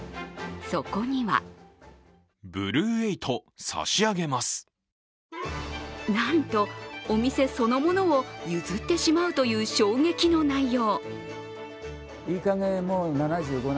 そこにはなんと、お店そのものを譲ってしまうという衝撃の内容。